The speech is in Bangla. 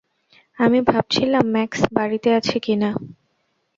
আমি ভাবছিলাম ম্যাক্স বাড়িতে আছে কিনা।